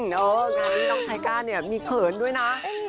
น้องไทก้ามีเขินด้วยนะ